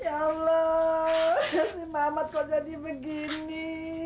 ya allah si mama kok jadi begini